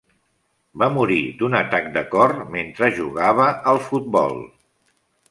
Va morir d'un atac de cor mentre jugava al futbol.